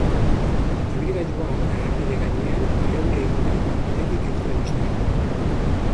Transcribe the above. Ibilgailua errepide gainean irauli egin da bidetik irten ostean.